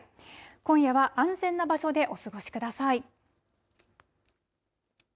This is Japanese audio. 今夜は安全な場所でお過ごしください。